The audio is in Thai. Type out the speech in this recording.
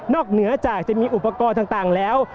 เหนือจากจะมีอุปกรณ์ต่างแล้ว